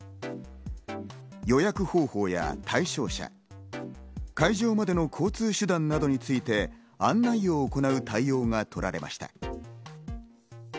予約方法や対象者、会場までの交通手段などについて案内を行なう対応が取られました。